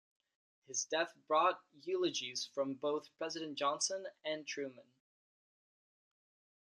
His death brought eulogies from both President Johnson and Truman.